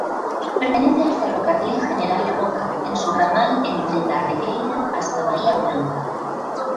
Pertenece al Ferrocarril General Roca en su ramal entre Darregueira hasta Bahía Blanca.